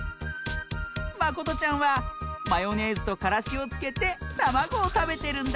まことちゃんはマヨネーズとからしをつけてたまごをたべてるんだって！